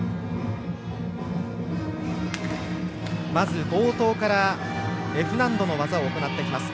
まず冒頭からＦ難度の技を行ってきます。